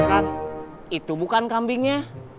kan itu bukan kambingnya